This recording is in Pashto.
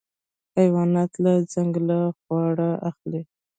حیوانات له ځنګله خواړه اخلي.